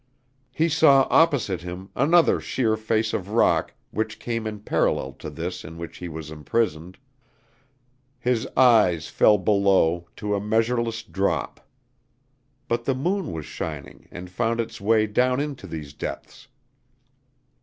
He saw opposite him another sheer face of rock which came in parallel to this in which he was imprisoned. His eyes fell below to a measureless drop. But the moon was shining and found its way down into these depths.